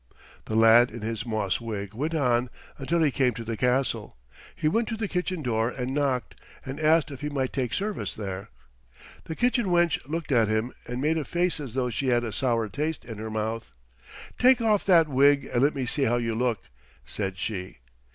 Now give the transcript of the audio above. The lad in his moss wig went on until he came to the castle. He went to the kitchen door and knocked, and asked if he might take service there. The kitchen wench looked at him and made a face as though she had a sour taste in her mouth. "Take off that wig and let me see how you look," said she.